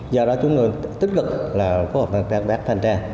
do đó chúng tôi tích cực là phối hợp với các bác thanh tra